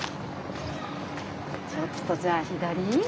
ちょっとじゃあ左？ですか？